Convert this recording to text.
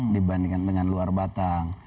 dibandingkan dengan luar batang